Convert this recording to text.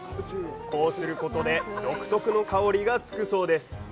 こうすることで独特の香りが付くそうです。